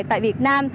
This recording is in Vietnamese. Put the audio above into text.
tại việt nam